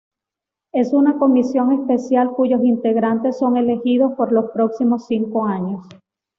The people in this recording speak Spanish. Es una comisión especial cuyos integrantes son elegidos por los próximos cinco años.